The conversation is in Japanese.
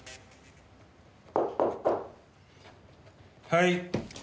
はい。